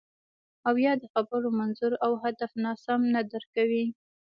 او یا د خبرو منظور او هدف ناسم نه درک کوئ